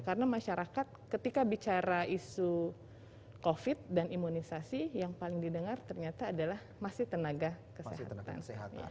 karena masyarakat ketika bicara isu covid dan imunisasi yang paling didengar ternyata adalah masih tenaga kesehatan